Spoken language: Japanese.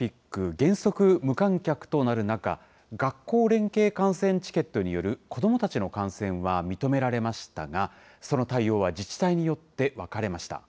原則無観客となる中、学校連携観戦チケットによる子どもたちの観戦は認められましたが、その対応は自治体によって分かれました。